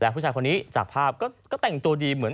ผู้ชายคนนี้จากภาพก็แต่งตัวดีเหมือน